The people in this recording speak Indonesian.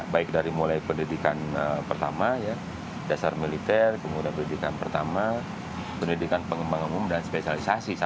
baik dari mulai pendidikan pertama dasar militer kemudian pendidikan pertama pendidikan pengembangan umum dan spesialisasi